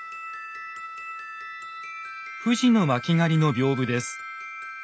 富士の巻狩の屏風です。